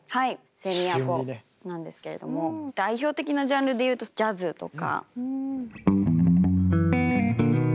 セミアコなんですけれども代表的なジャンルでいうとジャズとか。